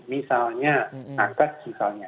misalnya akad misalnya